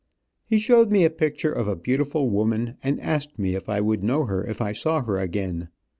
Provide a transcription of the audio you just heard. He showed me a picture of a beautiful woman, and asked me if I would know her if I saw her again.